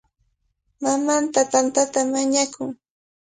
Mamanta tantata mañakun.